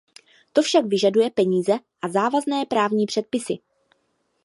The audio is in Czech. To však vyžaduje peníze a závazné právní předpisy.